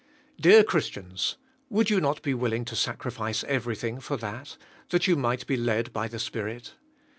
Dear Christians, would you not be willing to sacrifice everything for that, that you mig ht be led by the Spirit?